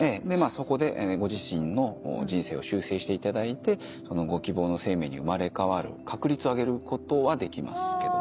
そこでご自身の人生を修正していただいてご希望の生命に生まれ変わる確率を上げることはできます。